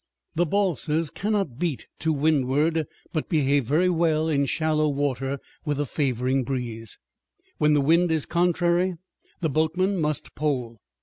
The balsas cannot beat to windward, but behave very well in shallow water with a favoring breeze. When the wind is contrary the boatmen must pole.